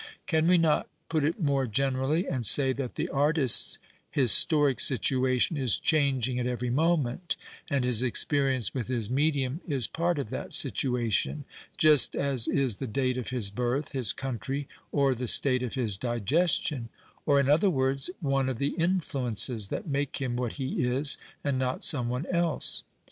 "' Can wt not put it more generally and say that the artist's historic situation is changing at every moment and his experience with his medium is part of that situation (just as is the date of his birth, his country, or the state of his digestion), or in other words, one of the influences that make him what he is and not some one else